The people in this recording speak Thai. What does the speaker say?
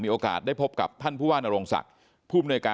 มีโอกาสได้พบกับท่านผู้ว่าอะรงศักดิ์